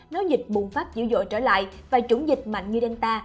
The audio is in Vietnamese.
nếu dịch bùng phát dữ dội trở lại và chủng dịch mạnh như delta